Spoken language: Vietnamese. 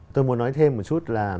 tôi muốn nói thêm một chút là